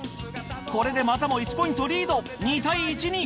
これでまたも１ポイントリード２対１に。